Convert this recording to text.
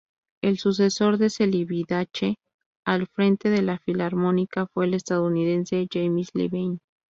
El sucesor de Celibidache al frente de la Filarmónica fue el estadounidense James Levine.